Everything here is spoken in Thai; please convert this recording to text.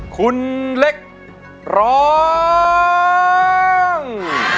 คุณเล็กร้อง